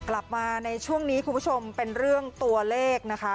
กลับมาในช่วงนี้คุณผู้ชมเป็นเรื่องตัวเลขนะคะ